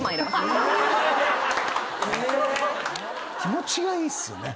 気持ちがいいっすね。